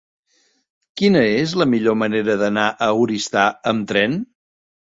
Quina és la millor manera d'anar a Oristà amb tren?